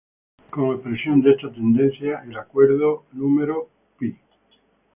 Como expresión de esta tendencia, el acuerdo No.